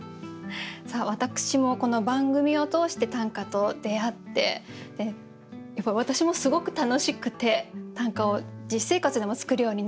さあ私もこの番組を通して短歌と出会ってやっぱり私もすごく楽しくて短歌を実生活でも作るようになって。